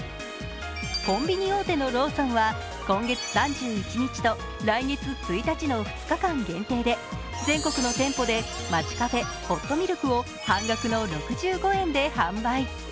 コンビニ大手のローソンは、今月３１日と来月１日の２日間限定で全国の店舗でマチカフェホットミルクを半額の６５円で販売。